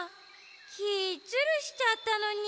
キイズルしちゃったのに。